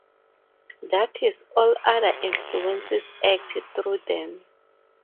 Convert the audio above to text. That is, all other influences act "through" them.